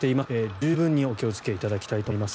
十分にお気をつけいただきたいと思います。